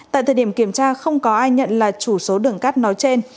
tại thời điểm kiểm tra không có ai nhận là chủ số đường cát nói trên